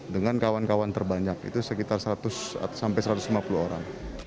dengan kawan kawan terbanyak itu sekitar seratus sampai satu ratus lima puluh orang